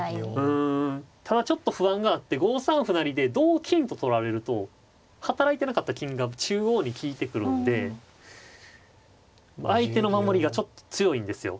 うんただちょっと不安があって５三歩成で同金と取られると働いてなかった金が中央に利いてくるんで相手の守りがちょっと強いんですよ。